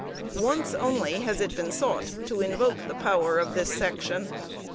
Once only has it been sought to invoke the power of this section.